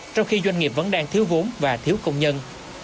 trong khi doanh nghiệp vẫn đang thiếu vốn và thiếu công nhân